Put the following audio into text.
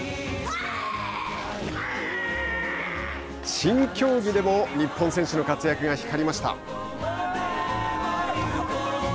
新競技でも、日本選手の活躍が光りました。